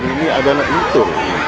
ini adalah itu